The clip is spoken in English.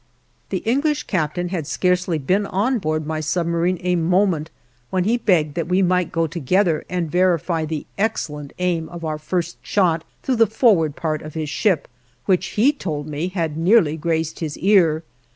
The English captain had scarcely been on board my submarine a moment when he begged that we might go together and verify the excellent aim of our first shot through the forward part of his ship, which he told me had nearly grazed his ear.